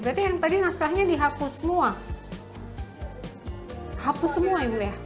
berarti yang tadi naskahnya dihapus semua